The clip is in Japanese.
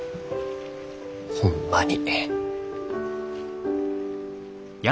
ホンマに。